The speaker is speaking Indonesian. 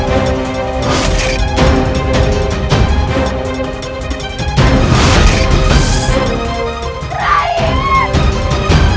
tetapi rai setiapsi telah dipindah di atas